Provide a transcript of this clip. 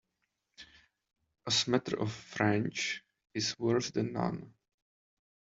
A smatter of French is worse than none.